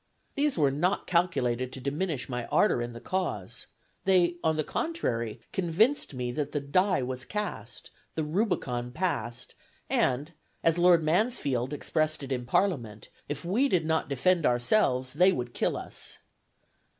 These were not calculated to diminish my ardor in the cause; they, on the contrary, convinced me that the die was cast, the Rubicon passed, and, as Lord Mansfield expressed it in Parliament, if we did not defend ourselves, they would kill us.